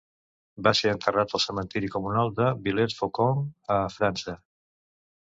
Va ser enterrat al cementiri comunal de Villers-Faucon, a França.